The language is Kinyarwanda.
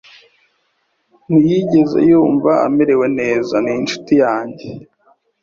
Ntiyigeze yumva amerewe neza n'inshuti yanjye .